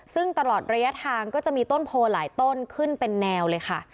ซึ่งตลอดระยะทางก็จะมีต้นโพหลายต้นขึ้นเป็นแนวเลยค่ะ